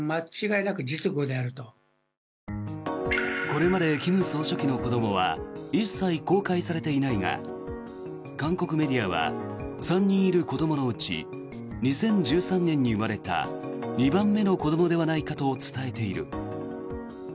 これまで金総書記の子どもは一切公開されていないが韓国メディアは３人いる子どものうち２０１３年に生まれた２番目の子どもではないかと伝えている。